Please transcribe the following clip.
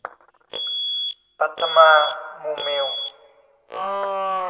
ปัทมา มูลมิล